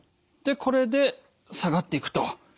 でこれで下がっていくと。